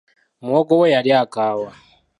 Muwogo we yali akaawa.